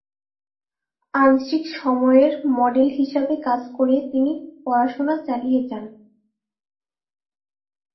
আংশিক সময়ের মডেল হিসাবে কাজ করে তিনি পড়াশোনা চালিয়ে যান।